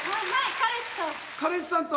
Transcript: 彼氏さんと。